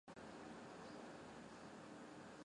瑞伊盖泰。